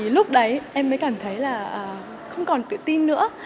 lúc đấy em mới cảm thấy là không còn tự tin nữa